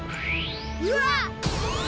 うわっ！